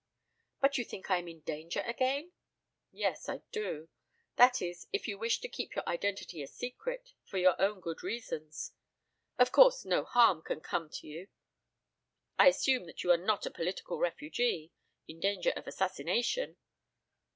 "But you think I am in danger again?" "Yes, I do. That is, if you wish to keep your identity a secret for your own good reasons. Of course, no harm can come to you. I assume that you are not a political refugee in danger of assassination!"